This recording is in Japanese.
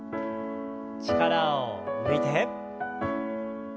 力を抜いて。